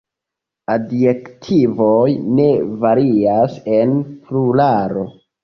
Adjektivoj ne varias en pluralo.